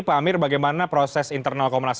pak amir bagaimana proses internal komnas